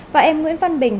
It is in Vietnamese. và em nguyễn văn bình